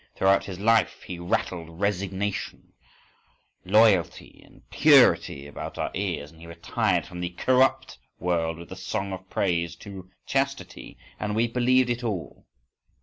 Throughout his life he rattled "resignation," "loyalty," and "purity" about our ears, and he retired from the corrupt world with a song of praise to chastity!—And we believed it all.